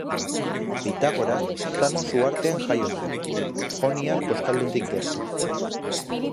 Pitagoras Samos uhartean jaio zen, joniar kostaldetik gertu.